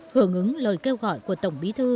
hưởng ứng lời kêu gọi của tổng bí tế